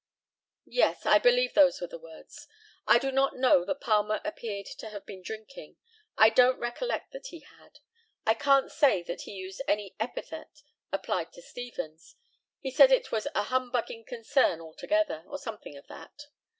Yes; I believe those were the words. I do not know that Palmer appeared to have been drinking. I don't recollect that he had. I can't say that he used any epithet, applied to Stevens: he said it was a humbugging concern altogether, or something of that.